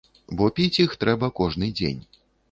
Бо піць іх трэба кожны дзень.